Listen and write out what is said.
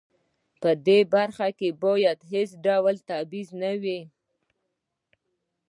په دې برخه کې باید هیڅ ډول تبعیض نه وي.